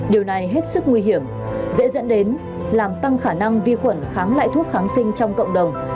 điều này hết sức nguy hiểm dễ dẫn đến làm tăng khả năng vi khuẩn kháng lại thuốc kháng sinh trong cộng đồng